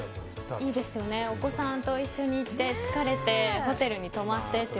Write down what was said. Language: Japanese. お子さんと一緒に行って疲れて、ホテルに泊まってと。